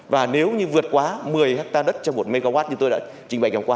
và nếu như vượt quá một mươi hectare đất trong một mw như tôi đã trình bày vừa qua